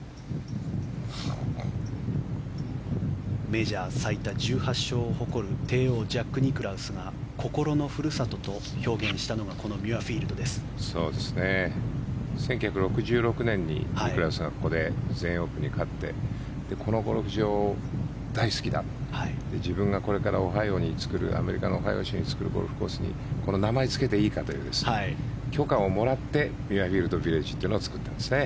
メジャー最多１８勝を誇る帝王ジャック・ニクラウスが心のふるさとと表現したのが１９６６年にニクラウスがここで全英オープンに勝ってこのゴルフ場大好きだって自分がこれからオハイオに作るコースにアメリカのオハイオ州に作るゴルフコースにこの名前をつけていいかという許可をもらってミュアフィールドビレッジというのを作ったんですね。